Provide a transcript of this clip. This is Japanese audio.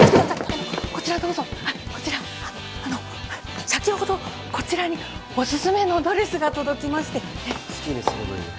あのこちらへどうぞこちらあの先ほどこちらにおすすめのドレスが届きまして好きにすればいいよ